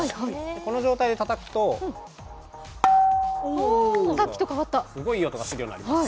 この状態でたたくとすごい、いい音がするようになります。